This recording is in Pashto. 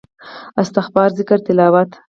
استغفار ذکر تلاوت